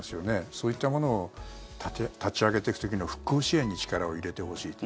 そういったものを立ち上げていく時の復興支援に力を入れてほしいと。